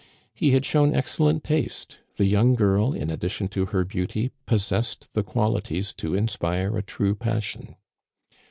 He had shown excellent taste. The young girl, in addi tion to her beauty, possessed the qualities to inspire a true passion.